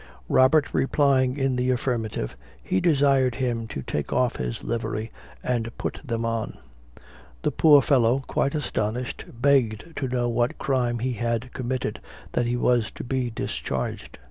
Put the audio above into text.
Robert replying in the affirmative, he desired him to take off his livery, and put them on. The poor fellow, quite astonished, begged to know what crime he had committed, that he was to be discharged.